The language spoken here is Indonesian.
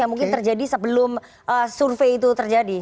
yang mungkin terjadi sebelum survei itu terjadi